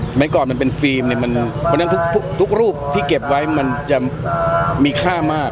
สมัยก่อนมันเป็นฟิล์มเนี่ยมันเพราะฉะนั้นทุกรูปที่เก็บไว้มันจะมีค่ามาก